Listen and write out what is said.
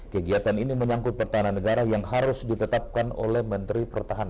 kegiatan ini menyangkut pertahanan negara yang harus ditetapkan oleh menteri pertahanan